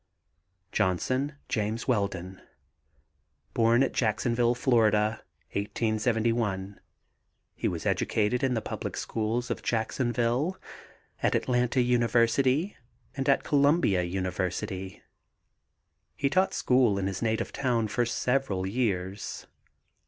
JOHNSON, JAMES WELDON. Born at Jacksonville, Fla., 1871. He was educated in the public schools of Jacksonville, at Atlanta University and at Columbia University. He taught school in his native town for several years.